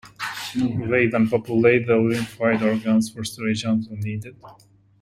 They then populate the lymphoid organs for storage until needed.